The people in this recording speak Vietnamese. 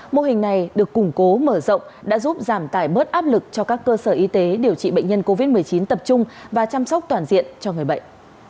mô hình này được củng cố mở rộng đã giúp giảm tải bớt áp lực cho các cơ sở y tế điều trị bệnh nhân covid một mươi chín tập trung và chăm sóc toàn diện cho người bệnh